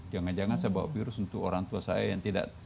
jangan jangan saya bawa virus untuk orang tua saya yang tidak